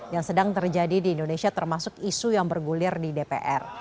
yang sedang terjadi di indonesia termasuk isu yang bergulir di dpr